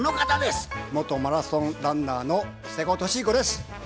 元マラソンランナーの瀬古利彦です。